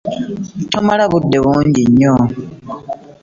Tomala budde bungi nnyo.